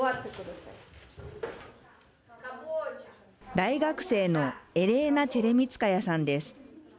大学生のエレーナ・チェレミツカヤさんです。